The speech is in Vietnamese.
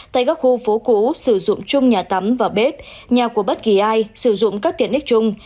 tại các khu phố cũ sử dụng chung nhà tắm và bếp nhà của bất kỳ ai sử dụng các tiện ích chung